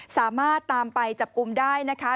สามารถตามไปจับกลุ่มได้นะคะ